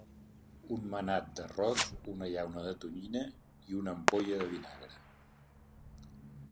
Un manat d'arròs, una llauna de tonyina i una ampolla de vinagre.